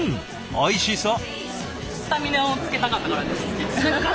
おいしそう。